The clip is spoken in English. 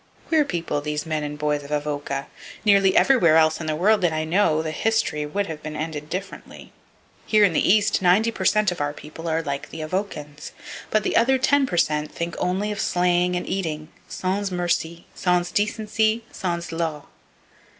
Queer people, those men and boys of Avoca. Nearly everywhere else in the world that I know, that history would have been ended differently. Here in the East, 90 per cent of our people are like the Avocans, but the other 10 per cent think only of slaying and eating, sans mercy, sans decency, sans law.